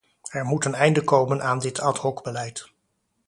Er moet een einde komen aan dit ad-hocbeleid.